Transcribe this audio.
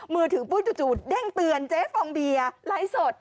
มือถือปุ๊บจู่เด้งเตือนเจ๊ฟองเบียร์ไลฟ์สด